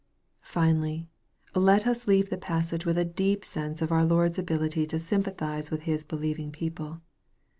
Finally, let us leave the passage with a deep sense of our Lord's ability to sympathize with His believing people.